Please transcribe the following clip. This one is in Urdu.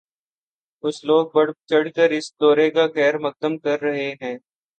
کچھ لوگ بڑھ چڑھ کر اس دورے کا خیر مقدم کر رہے ہیں۔